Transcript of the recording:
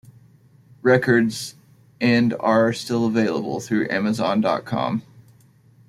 Records, and are still available through Amazon dot com.